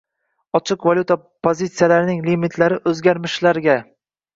Ochiq valyuta pozitsiyalarining limitlari o'zgarmishlarga